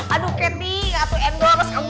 aduh candy aku endorse kamu